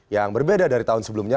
yang berbeda dari tahun sebelumnya